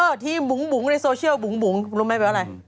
เออที่บุ๋งในโซเชียลบุ๋งรู้ไหมเป็นอะไร